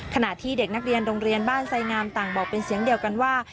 ขณะที่เด็กนักเรียนโรงเรียนบ้านไสงามต่างบอกเป็นเสียงเดียวกันว่า